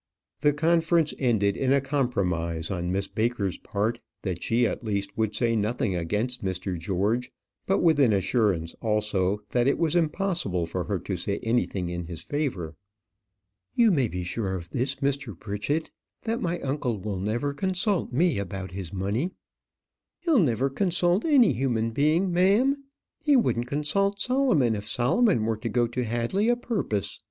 The conference ended in a promise on Miss Baker's part that she, at least, would say nothing against Mr. George; but with an assurance, also, that it was impossible for her to say anything in his favour. "You may be sure of this, Mr. Pritchett, that my uncle will never consult me about his money." "He'll never consult any human being, ma'am. He wouldn't consult Solomon if Solomon were to go to Hadley o' purpose.